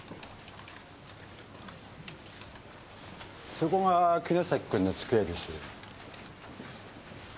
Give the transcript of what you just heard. そこが城崎君の机です。